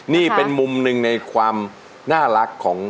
นี่เป็นมุมหนึ่งในความน่ารักของ